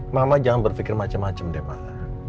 mama jangan berpikir macem macem deh mama